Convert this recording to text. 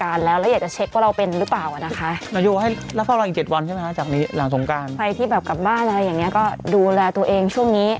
อะไรอย่างนี้ก็ดูแลตัวเองช่วงนี้